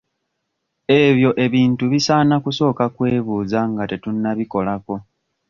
Ebyo ebintu bisaana kusooka kwebuuza nga tetunnabikolako.